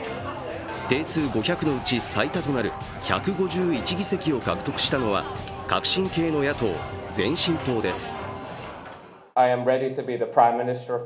定数５００のうち、最多となる１５１議席を獲得したのは革新系の野党、前進党です。